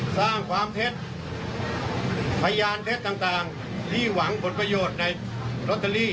สร้างความเท็จพยานเท็จต่างต่างที่หวังบทประโยชน์ในรถตะลี่